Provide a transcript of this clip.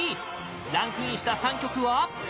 ランクインした３曲は？